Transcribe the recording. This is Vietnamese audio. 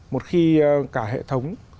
một khi cả hệ thống